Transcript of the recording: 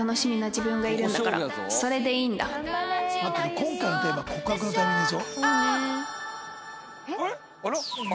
今回のテーマ「告白のタイミング」でしょ？